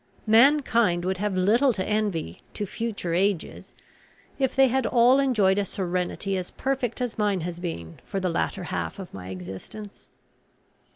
Mankind would have little to envy to future ages, if they had all enjoyed a serenity as perfect as mine has been for the latter half of my existence."